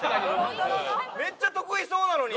めっちゃ得意そうなのに。